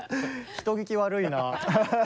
人聞き悪いな。